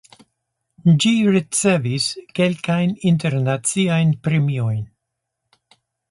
Ĝi ricevis kelkajn internaciajn premiojn.